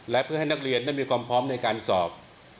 และเพื่อให้นักเรียนนั้นมีความพร้อมในการสอบ